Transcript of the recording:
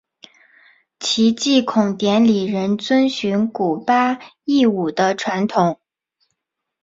其祭孔典礼仍遵循古八佾舞的传统。